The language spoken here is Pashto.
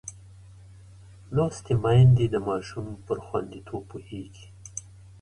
لوستې میندې د ماشوم پر خوندیتوب پوهېږي.